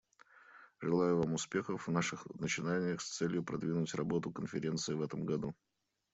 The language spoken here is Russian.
Желаю вам успехов в ваших начинаниях с целью продвинуть работу Конференции в этом году.